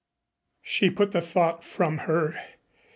She put the thought from her.